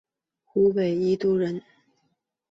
湖北宜都人。